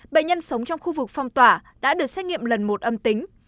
bệnh nhân sống trong khu vực phong tỏa đã được xét nghiệm lần một âm tính